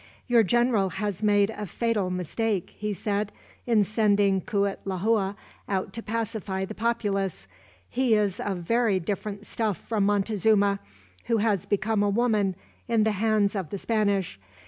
"Your general has made a fatal mistake," he said, "in sending Cuitlahua out to pacify the populace. He is of very different stuff from Montezuma, who has become a woman in the hands of the Spanish.